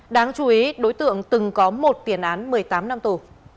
đáng chú ý đối tượng từng có một tiền án một mươi tám năm tù